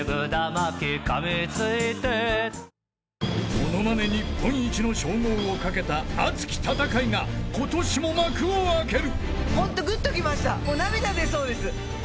［ものまね日本一の称号を懸けた熱き戦いが今年も幕を開ける］